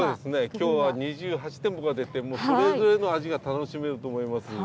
きょうは２８店舗が出て、それぞれの味が楽しめると思います。